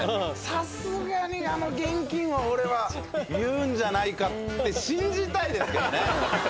さすがにあの現金は俺は言うんじゃないかって信じたいですけどね。